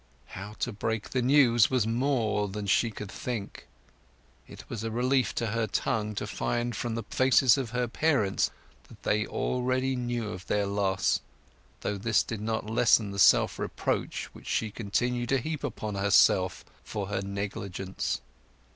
How to break the news was more than she could think. It was a relief to her tongue to find from the faces of her parents that they already knew of their loss, though this did not lessen the self reproach which she continued to heap upon herself for her negligence.